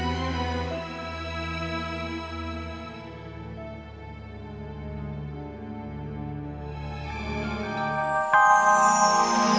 alhamdulillah ada trawi